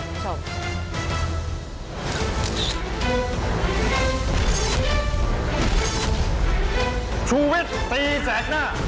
ผมไม่ต้องการ